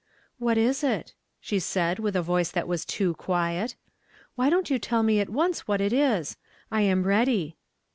"What is it?" she said with a voice that was too quiet. " Why don't you tell me at once what it is? I am ready."